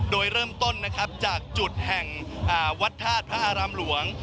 โดยเริ่มต้นนะครับจากจุดแห่งวัดธาตุพระอารามหลวง